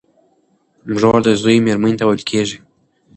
مږور د زوی مېرمني ته ويل کيږي.